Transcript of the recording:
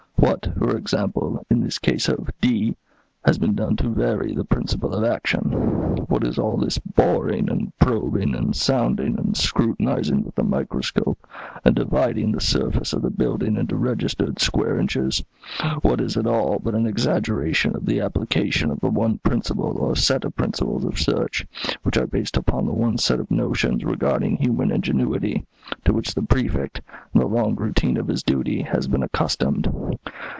What, for example, in this case of D , has been done to vary the principle of action? What is all this boring, and probing, and sounding, and scrutinizing with the microscope, and dividing the surface of the building into registered square inches; what is it all but an exaggeration of the application of the one principle or set of principles of search, which are based upon the one set of notions regarding human ingenuity, to which the Prefect, in the long routine of his duty, has been accustomed?